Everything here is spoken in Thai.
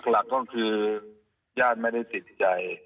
หลักก็คือญาติไม่ได้ติดใจ